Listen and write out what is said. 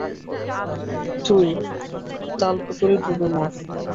তুই তালপুকুরে ডুবে মর।